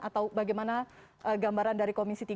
atau bagaimana gambaran dari komisi tiga